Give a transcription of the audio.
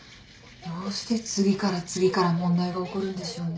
どうして次から次から問題が起こるんでしょうね。